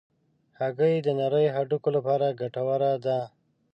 هګۍ د نرۍ هډوکو لپاره ګټوره ده.